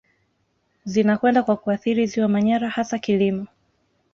Zinakwenda kwa kuathiri ziwa Manyara hasa kilimo